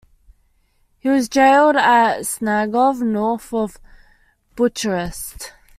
He was jailed at Snagov, north of Bucharest.